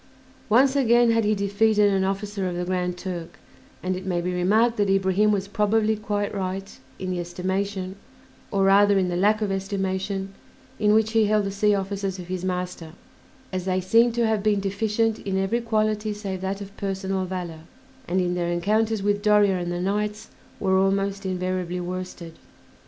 Once again had he defeated an officer of the Grand Turk; and it may be remarked that Ibrahim was probably quite right in the estimation, or rather in the lack of estimation, in which he held the sea officers of his master, as they seem to have been deficient in every quality save that of personal valor, and in their encounters with Doria and the knights were almost invariably worsted.